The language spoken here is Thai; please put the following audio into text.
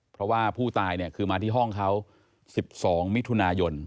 เพราะว่าผู้ตายเนี่ยคือมาที่ห้องเขา๑๒มิถุนายน